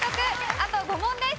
あと５問です。